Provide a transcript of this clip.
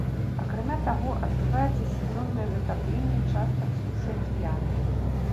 Акрамя таго, адбываецца сезоннае затапленне частак сушы акіянам.